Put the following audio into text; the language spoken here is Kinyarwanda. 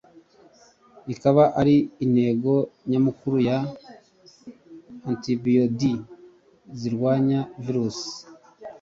ikaba ari intego nyamukuru ya antibodies zirwanya virusi.